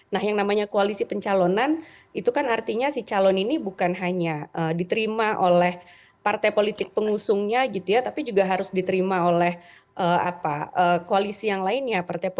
nah yang namanya koalisi pencalonan itu kan artinya si calon ini bukan hanya diterima oleh partai politik pengusungnya gitu ya tapi juga harus diterima oleh koalisi yang lainnya